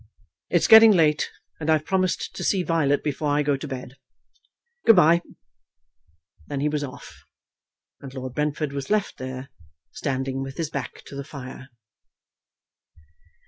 "It's getting late, and I've promised to see Violet before I go to bed. Good bye." Then he was off, and Lord Brentford was left there, standing with his back to the fire.